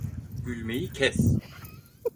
Gülmeyi kes!